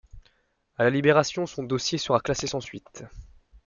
À la Libération, son dossier sera classé sans suite.